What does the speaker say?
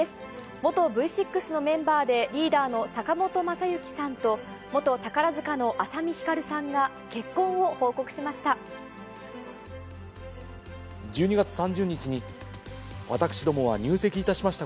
元Ｖ６のメンバーでリーダーの坂本昌行さんと、元宝塚の朝海ひかるさんが結婚を報告しました。